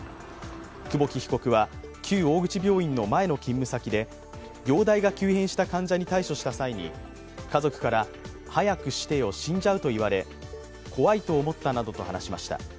久保木被告は、旧大口病院の前の勤務先で容体が急変した患者に対処した際に家族から早くしてよ死んじゃうと言われ怖いと思ったなどと話しました。